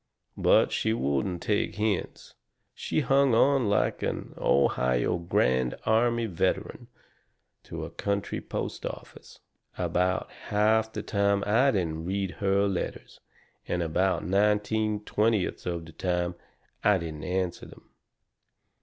But she wouldn't take the hints. She hung on like an Ohio Grand Army veteran to a country post office. About half the time I didn't read her letters, and about nineteen twentieths of the time I didn't answer them.